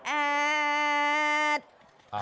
แอดแอด